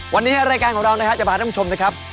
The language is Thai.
วันนี้รายการของเรานะครับจะพาท่านผู้ชมนะครับ